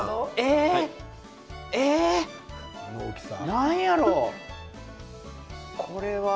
何やろう。